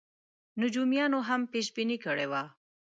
نجومیانو هم پېش بیني کړې وه.